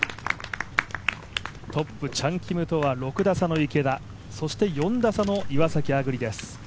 トップ、チャン・キムとは６打差の池田、そして４打差の岩崎亜久竜です。